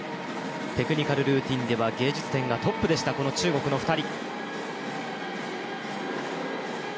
テクニカルルーティンでは芸術点がトップでした中国の２人。